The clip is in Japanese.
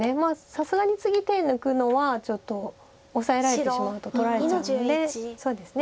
さすがに次手抜くのはちょっとオサえられてしまうと取られちゃうのでそうですね